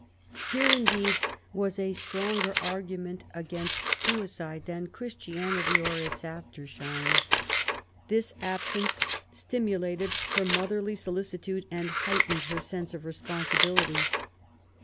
Here indeed was a stronger argument against suicide than Christianity, or its ^^ aftershine.'* This absence stimulated her motherly solicitude and heightened her sense of responsibility.